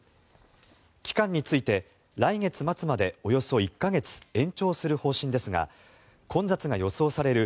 期間について来月末までおよそ１か月延長する方針ですが混雑が予想される